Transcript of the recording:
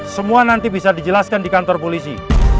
semua nanti bisa dijelaskan di kantor polisi